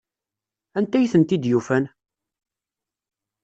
Anta ay tent-id-yufan?